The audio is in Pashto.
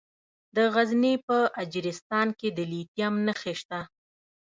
د غزني په اجرستان کې د لیتیم نښې شته.